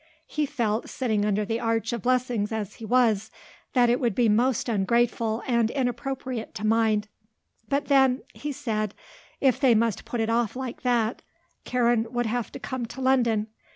He felt, sitting under the arch of blessings as he was, that it would be most ungrateful and inappropriate to mind. But then, he said, if they must put it off like that, Karen would have to come to London.